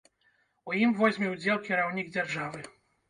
У ім возьме ўдзел кіраўнік дзяржавы.